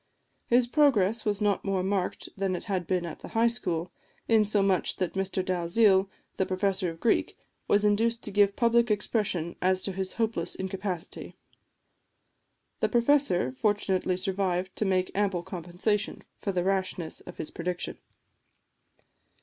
His progress was not more marked than it had been at the High School, insomuch that Mr Dalziel, the professor of Greek, was induced to give public expression as to his hopeless incapacity. The professor fortunately survived to make ample compensation for the rashness of his prediction.